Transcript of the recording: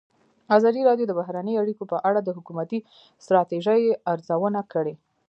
ازادي راډیو د بهرنۍ اړیکې په اړه د حکومتي ستراتیژۍ ارزونه کړې.